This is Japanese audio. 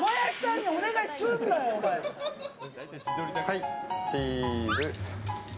はいチーズ。